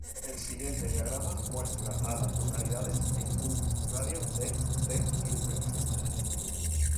El siguiente diagrama muestra a las localidades en un radio de de Gilbert.